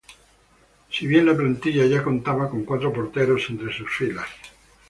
Si bien la plantilla ya contaba con cuatro porteros entre sus filas.